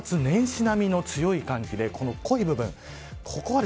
年末年始並みの強い寒気でこの濃い部分。